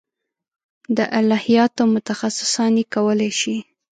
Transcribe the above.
د الهیاتو متخصصان یې کولای شي.